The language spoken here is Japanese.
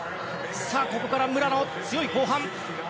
ここから武良の強い後半。